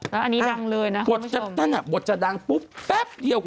แล้วอันนี้ดังเลยนะบทท่านอ่ะบทจะดังปุ๊บแป๊บเดียว